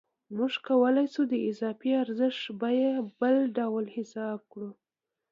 موږ کولای شو د اضافي ارزښت بیه بله ډول حساب کړو